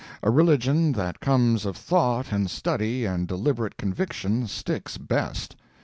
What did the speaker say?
A religion that comes of thought, and study, and deliberate conviction, sticks best.